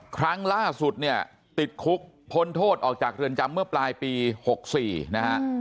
ครั้งล่าสุดเนี่ยติดคุกพ้นโทษออกจากเรือนจำเมื่อปลายปี๖๔นะฮะ